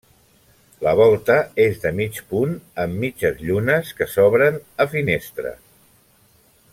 La volta és de mig punt amb mitges llunes que s'obren a finestres.